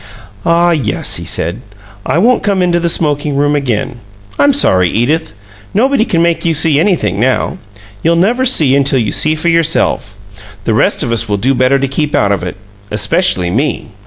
"Ah, yes," he said. "I won't come into the smoking room again. I'm sorry, Edith. Nobody can make you see anything now. You'll never see until you see for yourself. The rest of us will do better to keep out of it especially me!"